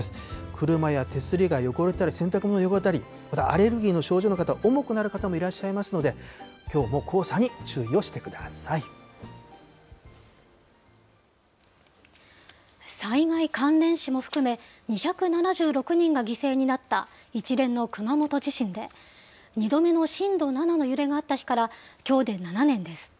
車や手すりが汚れたり、洗濯物が汚れたり、またアレルギーの症状の方、重くなる方いらっしゃいますので、きょうも黄砂に注意をしてくださ災害関連死も含め、２７６人が犠牲になった一連の熊本地震で、２度目の震度７の揺れがあった日からきょうで７年です。